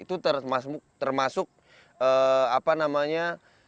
itu termasuk apa namanya